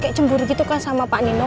kayak cemburu gitu kan sama pak nino